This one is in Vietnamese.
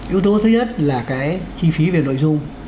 yếu tố thứ nhất là cái chi phí về nội dung